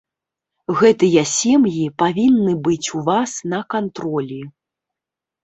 Гэтыя сем'і павінны быць у вас на кантролі.